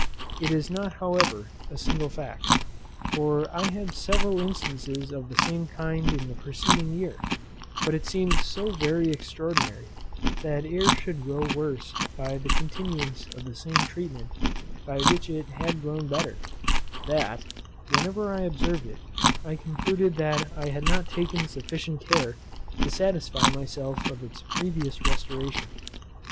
It is not, however, a single fact; for I had several instances of the same kind in the preceding year; but it seemed so very extraordinary, that air should grow worse by the continuance of the same treatment by which it had grown better, that, whenever I observed it, I concluded that I had not taken sufficient care to satisfy myself of its previous restoration.